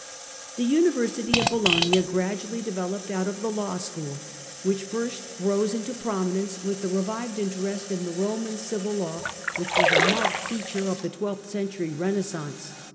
238 THE CENTRAL PERIOD OF THE MIDDLE AGE Bologna The University of Bologna gradually developed out of the law school, which first rose into prominence with the revived interest in the Roman Civil Law, which was a marked feature of the twelfth century Renaissance.